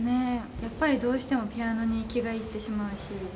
やっぱりどうしても、ピアノに気がいってしまうし。